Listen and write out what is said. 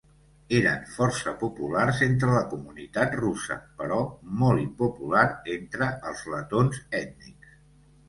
Eren força populars entre la comunitat russa, però molt impopular entre els letons ètnics.